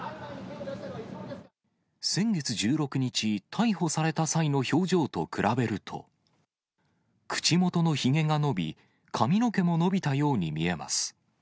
先月１６日、逮捕された際の表情と比べると、口元のひげが伸び、髪の毛も伸びたように見えます。